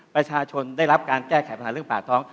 ประชาชนได้รับการแก้ไขปัญหาเรื่องปากท้อง